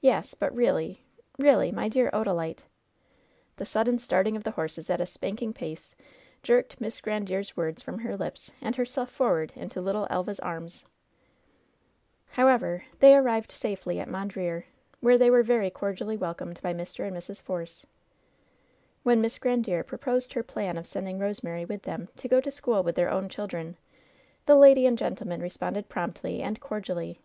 "Yes, but really — really — ^my dear Odalite ^" The sudden starting of the horses at a spanking pace jerked Miss Grandiere's words from her lips, and her self forward into little Elva's arms. «6 LOVE'S BITTEREST CUP However, they arrived safely at Mondreer, where they were very cordially welcomed by Mr. and Mrs. Force. When Miss Grandiere proposed her plan of sending Rosemary with them, to go to school with their own children, the lady and gentleman responded promptly and cordially.